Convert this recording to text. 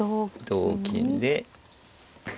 同金で。